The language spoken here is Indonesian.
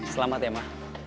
selamat ya ma